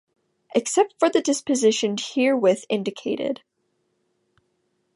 Except for the dispositions herewith indicated.